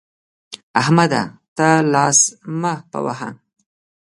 احمده! ته لاس مه په وهه.